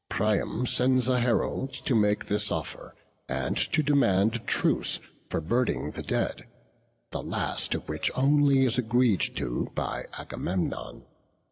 Priam sends a herald to make this offer, and to demand a truce for burning the dead, the last of which only is agreed to by Agamemnon.